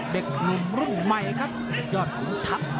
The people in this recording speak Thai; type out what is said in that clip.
เด็กหนุ่มรุ่นใหม่ครับเด็กยอดขุนทัพ